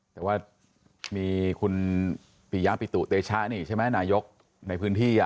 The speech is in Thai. แต่ว่ามีคุณปียะปิตุเตชะนี่ใช่ไหมนายกในพื้นที่